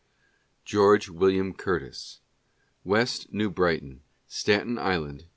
George William Curtis : West New Brightoji, Staten Island, N.